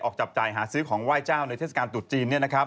ออกจับจ่ายหาซื้อของไหว้จ้าวในเทศกรรมจุฯจีน